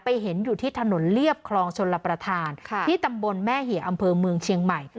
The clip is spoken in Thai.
เห็นอยู่ที่ถนนเรียบคลองชนรับประทานที่ตำบลแม่เหี่ยอำเภอเมืองเชียงใหม่